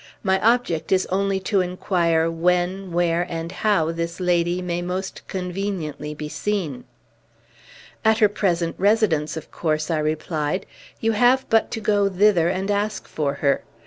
My object is only to inquire when, where, and how this lady may most conveniently be seen." "At her present residence, of course," I replied. "You have but to go thither and ask for her.